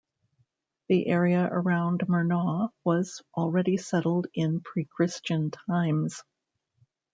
The area around Murnau was already settled in pre-Christian times.